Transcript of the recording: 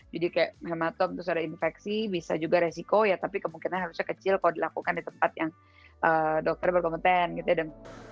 jadi kayak hematoma terus ada infeksi bisa juga resiko ya tapi kemungkinan harusnya kecil kalau dilakukan di tempat yang dokter berkompeten gitu ya